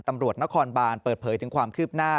ตำรวจนครบานเปิดเผยถึงความคืบหน้า